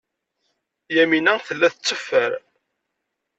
Yamina tella tetteffer.